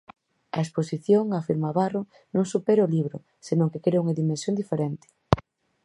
A exposición, afirma Barro, non supera o libro, senón que crea unha dimensión diferente.